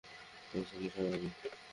ওই ছেলে স্বাভাবিক।